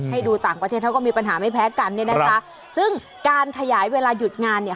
ให้ดูต่างประเทศเขาก็มีปัญหาไม่แพ้กันเนี่ยนะคะซึ่งการขยายเวลาหยุดงานเนี่ย